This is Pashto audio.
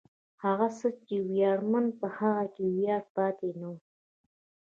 هغه څه چې ویاړمن و، په هغه کې ویاړ پاتې نه و.